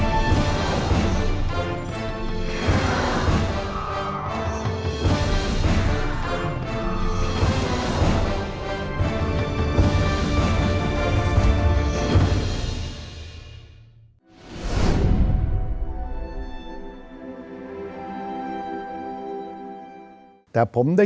มีชายพูดว่า